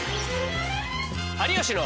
「有吉の」。